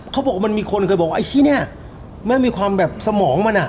เขาบอกว่ามันมีคนเคยบอกว่าไอ้ที่เนี่ยแม่มีความแบบสมองมันอ่ะ